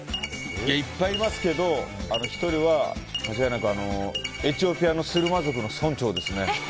いっぱいいますけど１人は間違いなく、エチオピアのスルマ族の村長ですね。